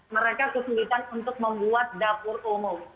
mereka kesulitan untuk membuat dapur umum